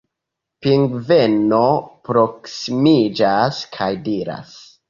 Pingveno proksimiĝas kaj diras: